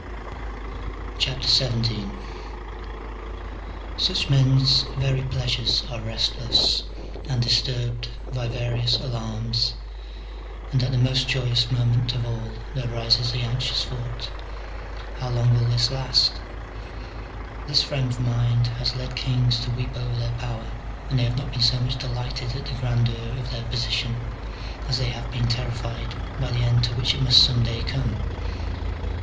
XYII. Such men's very pleasures are restless and dis turbed by various alarms, and at the most joyous moment of all there rises the anxious thought :" How long will this last ?" This frame of mind has led kings to weep over their power, and they have not been so much delighted at the grandeur of their position, as they have been terrified by the end to which it must some day come.